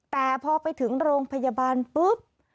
แต่พอไปถึงโรงพยาบาลปุ๊บ